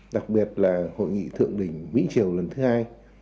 đặc biệt là hội nghị thượng đỉnh mỹ triều lần thứ hai